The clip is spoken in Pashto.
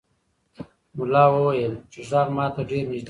ملا وویل چې غږ ماته ډېر نږدې دی.